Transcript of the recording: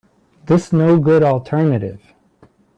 This no good alternative.